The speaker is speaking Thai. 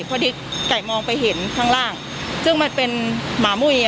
พอดีไก่มองไปเห็นข้างล่างซึ่งมันเป็นหมามุ้ย